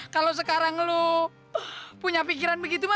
kalau sekarang lo punya pikiran begitu mah